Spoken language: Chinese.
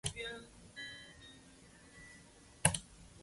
高氯酸镍可由高氯酸和氢氧化镍或碳酸镍反应得到。